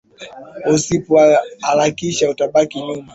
Usipo harakisha utabaki nyuma